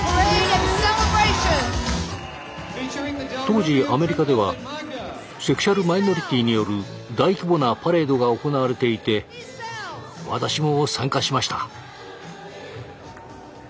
当時アメリカではセクシュアルマイノリティによる大規模なパレードが行われていて私も参加しました。